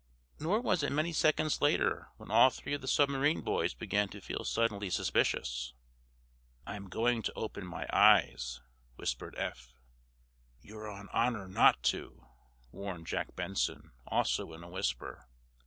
Nor was it many seconds later when all three of the submarine boys began to feel suddenly suspicious. "I'm going to open my eyes," whispered Eph. "You're on honor not to," warned Jack Benson, also in a whisper.